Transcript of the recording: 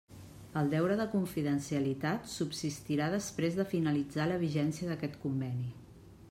El deure de confidencialitat subsistirà després de finalitzar la vigència d'aquest conveni.